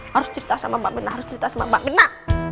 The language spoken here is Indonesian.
harus cerita sama mbak benak harus cerita sama mbak benak